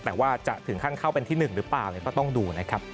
แต่ว่าจะถึงขั้นเข้าเป็นที่๑หรือเปล่าก็ต้องดูนะครับ